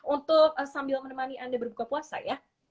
untuk sambil menemani anda berbuka puasa ya